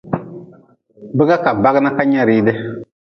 Biga ka bagi na ka nyea ridi.